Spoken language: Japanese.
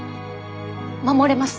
守れます！